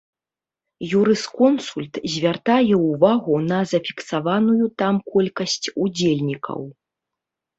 Юрысконсульт звяртае ўвагу на зафіксаваную там колькасць удзельнікаў.